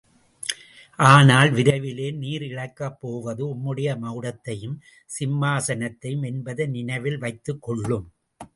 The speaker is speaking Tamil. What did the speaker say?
ஆனால் விரைவிலே நீர் இழக்கப் போவது உம்முடைய மகுடத்தையும், சிம்மாசனத்தையும் என்பதை நினைவில் வைத்துக்கொள்ளும்!